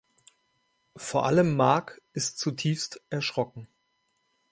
Vor allem Mark ist zutiefst erschrocken.